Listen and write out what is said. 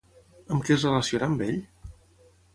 Amb què es relaciona amb ell?